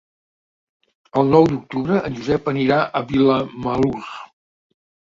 El nou d'octubre en Josep anirà a Vilamalur.